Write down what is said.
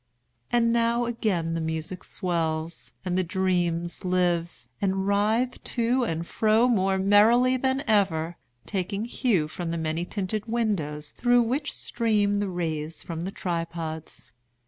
And now again the music swells, and the dreams live, and writhe to and fro more merrily than ever, taking hue from the many tinted windows through which stream the rays from the tripods.